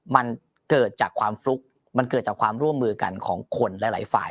มันเกิดจากความฟลุกมันเกิดจากความร่วมมือกันของคนหลายฝ่าย